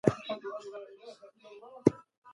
ما ټوله ورځ له خپلې کورنۍ څخه کباب غوښت.